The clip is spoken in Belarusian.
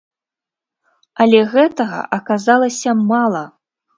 Але гэтага аказалася мала!